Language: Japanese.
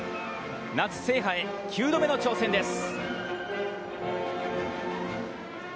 夏制覇へ、９度目の挑戦です。